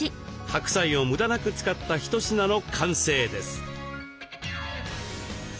白菜を無駄なく使った一品の完成です。